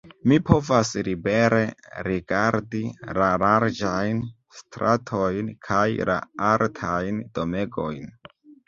Mi povas libere rigardi la larĝajn stratojn kaj la altajn domegojn.